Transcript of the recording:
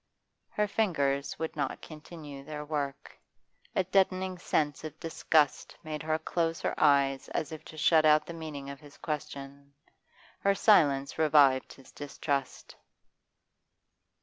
Her fingers would not continue their work. A deadening sensation of disgust made her close her eyes as if to shut out the meaning of his question. Her silence revived his distrust.